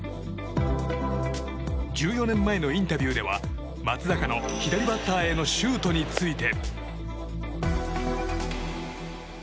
１４年前のインタビューでは松坂の左バッターへのシュートについて。